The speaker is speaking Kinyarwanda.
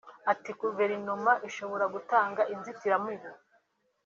Ati “Guverinoma ishobora gutanga inzitaramubu